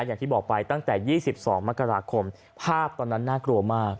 อย่างที่บอกไปตั้งแต่๒๒มกราคมภาพตอนนั้นน่ากลัวมาก